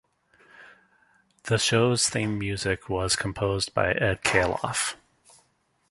The show's theme music was composed by Edd Kalehoff.